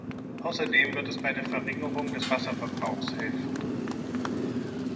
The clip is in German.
Außerdem wird es bei der Verringerung des Wasserverbrauchs helfen.